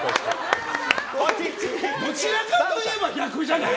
どちらかというと逆じゃない？